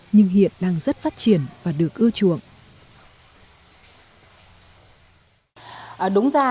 nhưng hiện đang rất phát triển và được ưa chuộng